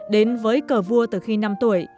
đến với cờ vua từ khi năm tuổi